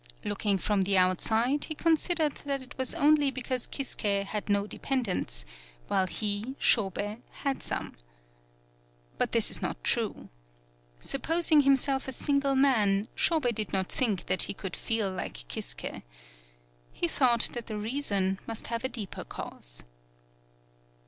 Looking from the outside, he considered that it was only because Kisuke had no dependents, while he, Shobei, had some. But this is not true. Supposing himself a single man, Shobei did not think that he could feel like Kisuke. He thought that the reason must have a deeper cause.